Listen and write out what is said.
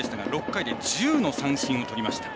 ６回で１０の三振をとりました。